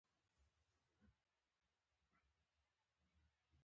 ریښتیا هم د سرو توتو خوند یې هم نه کاوه، بې خونده وو.